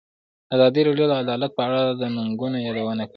ازادي راډیو د عدالت په اړه د ننګونو یادونه کړې.